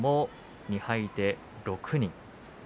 ２敗で６人。